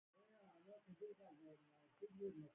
د وینې غوړ کمولو لپاره د زیتون غوړي وکاروئ